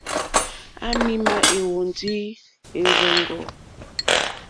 À mì má ɛ̀hwɔ̀ndí ɛ́rzɔ́ŋɔ́.